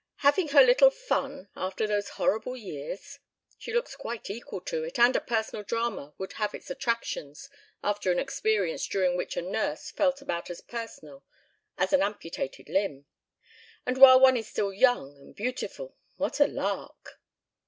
"Having her little fun after those horrible years? She looks quite equal to it, and a personal drama would have its attractions after an experience during which a nurse felt about as personal as an amputated limb. And while one is still young and beautiful what a lark!"